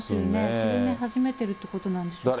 沈み始めてるということなんでしょうかね。